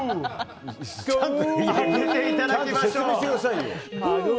当てていただきましょう！